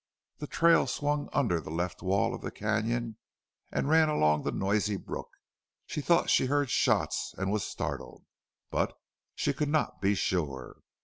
The trail swung under the left wall of the canon and ran along the noisy brook. She thought she heard shots and was startled, but she could not be sure.